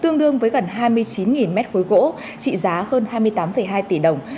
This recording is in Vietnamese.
tương đương với gần hai mươi chín mét khối gỗ trị giá hơn hai mươi tám hai tỷ đồng